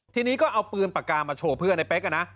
ทีนี้ก็เอาปืนปากกามาโชว์เพื่อนในเป๊กนะ